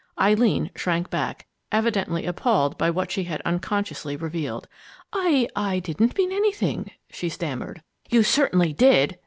Eileen shrank back, evidently appalled by what she had unconsciously revealed. "I I didn't mean anything!" she stammered. "You certainly did!"